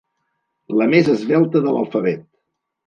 La més esvelta de l'alfabet.